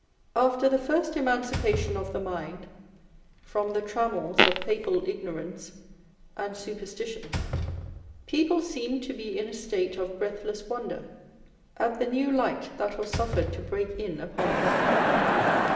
After the first emancipation of the mind from the trammels of Papal ignorance and superstition, people seemed to be in a state of breathless wonder at the new light that was suffered to break in upon them.